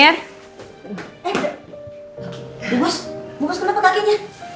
eh bos bos kenapa kakinya